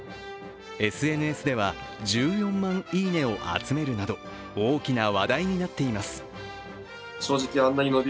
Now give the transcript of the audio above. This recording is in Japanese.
ＳＮＳでは、１４万いいねを集めるなど、大きな話題になっています。